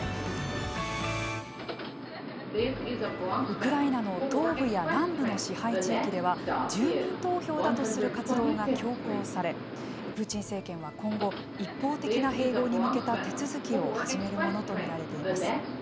ウクライナの東部や南部の支配地域では住民投票だとする活動が強行されプーチン政権は今後一方的な併合に向けた手続きを始めるものと見られています。